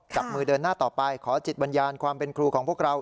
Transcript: จับมือเดินหน้าต่อไปขอจิตบัญญาณความเป็นครูของพวกเรา